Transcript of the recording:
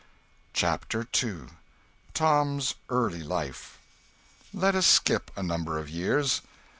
CHAPTER II. Tom's early life. Let us skip a number of years.